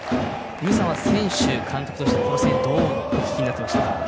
井口さんは選手、監督としてこの声援をどうお聞きになっていましたか？